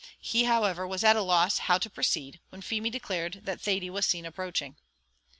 He, however, was at a loss how to proceed, when Feemy declared that Thady was seen approaching.